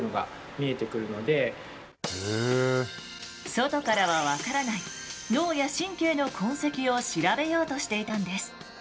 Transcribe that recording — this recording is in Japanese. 外からは分からない脳や神経の痕跡を調べようとしていたんです。